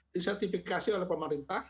disertifikasi oleh pemerintah